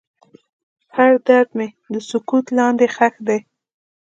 هر درد مې د سکوت لاندې ښخ دی.